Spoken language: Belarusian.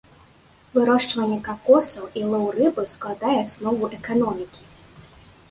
Вырошчванне какосаў і лоў рыбы складае аснову эканомікі.